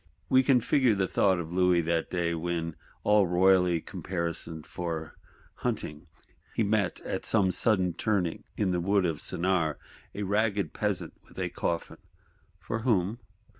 We can figure the thought of Louis that day, when, all royally caparisoned for hunting, he met, at some sudden turning in the Wood of Senart, a ragged Peasant with a coffin: 'For whom?